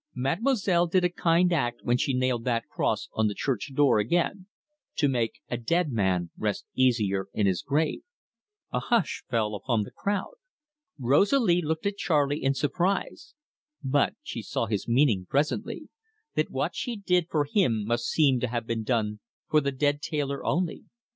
"Mademoiselle did a kind act when she nailed that cross on the church door again to make a dead man rest easier in his grave." A hush fell upon the crowd. Rosalie looked at Charley in surprise; but she saw his meaning presently that what she did for him must seem to have been done for the dead tailor only.